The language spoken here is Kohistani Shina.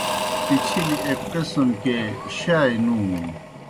پِچِھلیْ ایْک قِسم کے شائے نُومُن۔